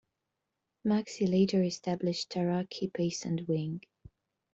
Magsi later established Taraqi Pasand Wing.